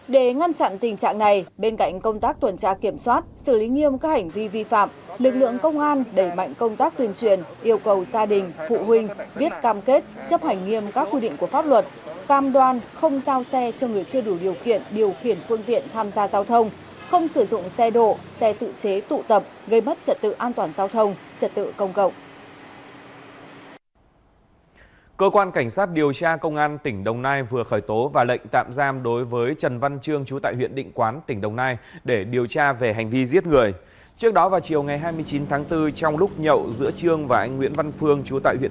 để ngăn chặn tình trạng này bên cạnh công tác tuần tra kiểm soát xử lý nghiêm các hành vi vi phạm lực lượng công an đẩy mạnh công tác tuyên truyền yêu cầu gia đình phụ huynh viết cam kết chấp hành nghiêm các quy định của pháp luật cam đoan không giao xe cho người chưa đủ điều kiện điều khiển phương tiện tham gia giao thông không sử dụng xe đổ xe tự xuyên